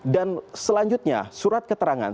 dan selanjutnya surat keterangan